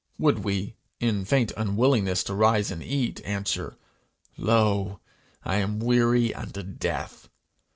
Would we, in faint unwillingness to rise and eat, answer, 'Lo I am weary unto death!